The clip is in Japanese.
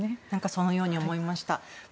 そのように思いました。